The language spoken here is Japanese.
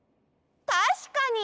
たしかに！